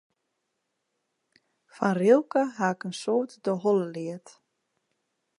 Fan Rilke haw ik in soad út de holle leard.